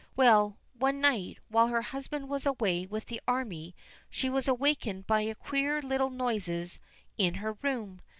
Well, one night while her husband was away with the army, she was awakened by queer little noises in her room.